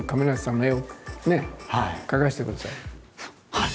はい！